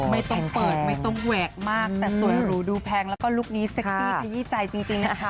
ไม่ต้องเปิดไม่ต้องแหวกมากแต่สวยหรูดูแพงแล้วก็ลุคนี้เซ็กซี่ขยี้ใจจริงนะคะ